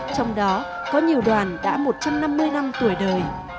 trong đó có nhiều đoàn đã một trăm năm mươi năm tuổi đời